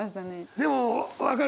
でも分かる。